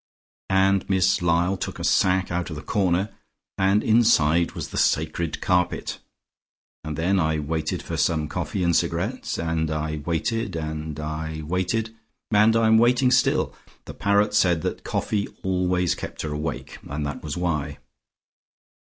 and Miss Lyall took a sack out of the corner, and inside was the sacred carpet. And then I waited for some coffee and cigarettes, and I waited, and I waited, and I am waiting still. The Parrot said that coffee always kept her awake, and that was why.